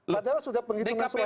padahal sudah penghitungan suara